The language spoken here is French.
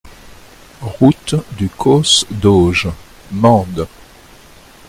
Route du Causse d'Auge, Mende